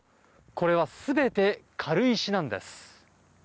これは全て軽石なんです。